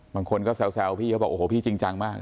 บางคนก็แซวพี่เขาบอกโอ้โหพี่จริงจังมาก